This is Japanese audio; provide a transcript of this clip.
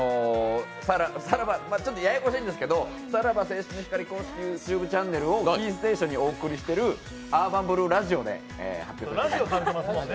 ちょっとややこしいんですけどさらば青春の光公式ＹｏｕＴｕｂｅチャンネルをキーステーションにお送りしているアーバンブルーラジオで発表しました。